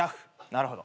なるほど。